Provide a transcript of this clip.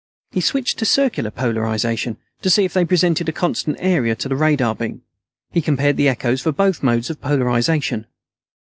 He switched to circular polarization, to see if they presented a constant area to the radar beam. He compared the echoes for both modes of polarization.